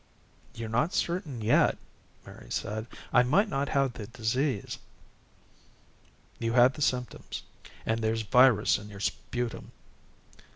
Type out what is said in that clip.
"You're not certain yet," Mary said. "I might not have had the disease." "You had the symptoms. And there's virus in your sputum."